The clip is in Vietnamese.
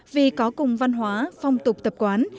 vì có cùng văn hóa phong tục tập quán